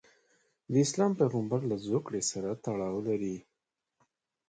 د اسلام پیغمبرله زوکړې سره تړاو لري.